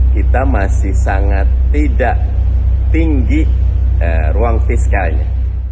kita masih sangat tidak tinggi ruang fiskalnya